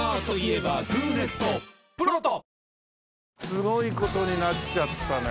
すごい事になっちゃったね。